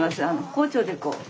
包丁でこう。